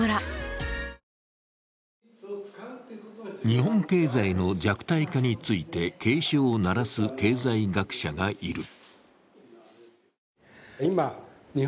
日本経済の弱体化について、警鐘を鳴らす経済学者がいる。